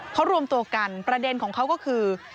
เขารวมตัวกันประเด็นของเขาก็คือ